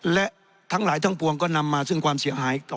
และทั้งหลายทั้งปวงก็นำมาซึ่งความเสียหายต่อ